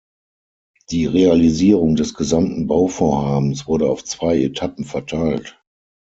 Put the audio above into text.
Die Realisierung des gesamten Bauvorhabens wurde auf zwei Etappen verteilt.